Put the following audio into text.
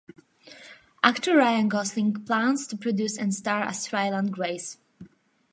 Actor Ryan Gosling plans to produce and star as Ryland Grace.